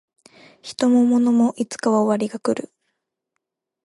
人も物もいつかは終わりが来る